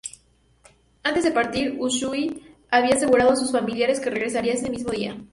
Antes de partir, Usui había asegurado a sus familiares que regresaría ese mismo día.